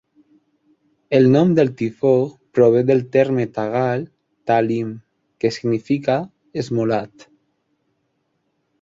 El nom del tifó prové del terme tagal "Talim", que significa "esmolat".